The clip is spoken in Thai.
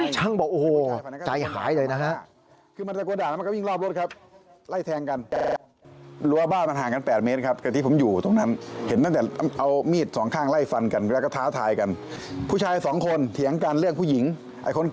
ช่างบอกโอ้โฮจ่ายหายเลยนะครับ